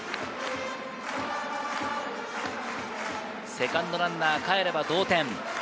セカンドランナー、かえれば同点。